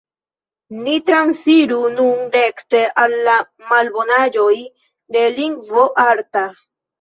Ni transiru nun rekte al la malbonaĵoj de lingvo arta.